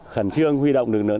khẩn trương huy động lực lượng